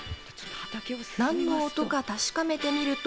何の音か確かめてみると。